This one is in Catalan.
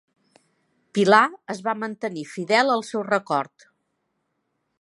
Pilar es va mantenir fidel al seu record.